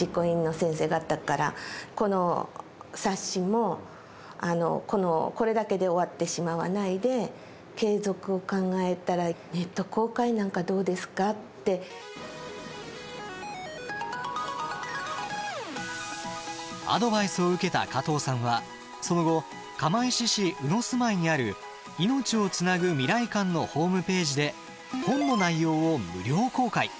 実行委員の先生方からこの冊子もこれだけで終わってしまわないで継続を考えたらアドバイスを受けた加藤さんはその後釜石市鵜住居にある「いのちをつなぐ未来館」のホームページで本の内容を無料公開。